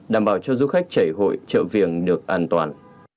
đảm bảo cho du khách chảy hội trợ viền được an toàn